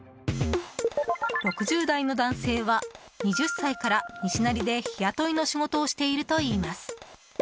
６０代の男性は２０歳から西成で日雇いの仕事をしているといいます。